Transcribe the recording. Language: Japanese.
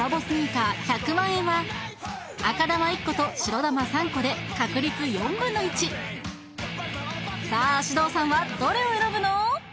スニーカー１００万円は赤玉１個と白玉３個で確率４分の１さあ獅童さんはどれを選ぶの？